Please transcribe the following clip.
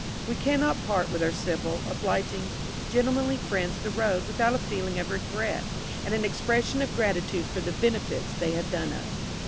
We cannot part with our civil, obliging, gentlemanly friends of the road without a feeling of regret, and an expression of gratitude for the benefits they have done us.